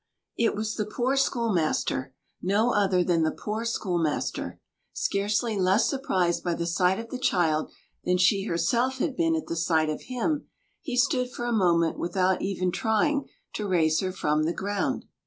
* It was the poor schoolmaster—no other than the poor schoolmaster. Scarcely less surprised by the sight of the child than she herself had been at the sight of him, he stood for a moment without even trying to raise her from the ground.